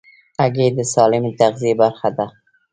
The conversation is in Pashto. هګۍ د سالمې تغذیې برخه ده.